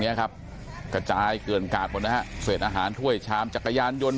เนี้ยครับกระจายเกลือนกาดหมดนะฮะเศษอาหารถ้วยชามจักรยานยนต์